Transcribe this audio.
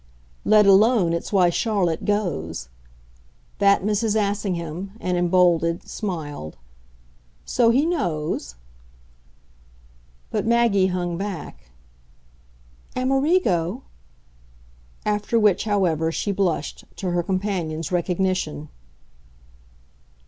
"Let alone it's why Charlotte goes." that Mrs. Assingham, and emboldened, smiled "So he knows ?" But Maggie hung back. "Amerigo ?" After which, however, she blushed to her companion's recognition.